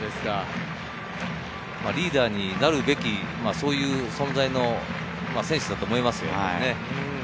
リーダーになるべき、そういう存在の選手だと思います。